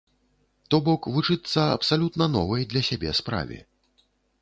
То бок вучыцца абсалютна новай для сябе справе.